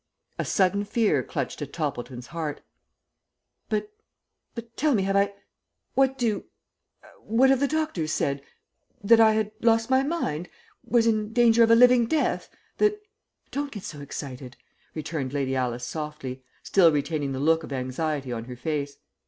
A sudden fear clutched at Toppleton's heart. "But but tell me, have I what do what have the doctors said that I had lost my mind, was in danger of a living death; that " "Don't get so excited," returned Lady Alice, softly, still retaining the look of anxiety on her face.